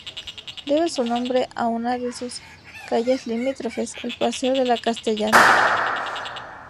Debe su nombre a una de sus calles limítrofes, el paseo de la Castellana.